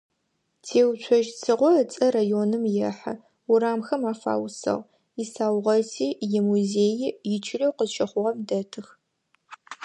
Теуцожь Цыгъо ыцӀэ районым ехьы, урамхэм афаусыгъ, исаугъэти, имузеий ичылэу къызщыхъугъэм дэтых.